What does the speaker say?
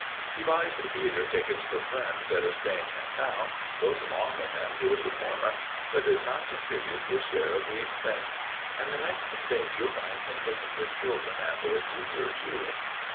He buys theatre tickets for friends that are staying in town and goes along with them to the performance, but does not contribute his share of the expense; and the next day you'll find him taking his children and their tutor, too.